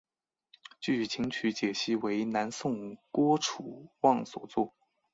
据琴曲解析为南宋郭楚望所作。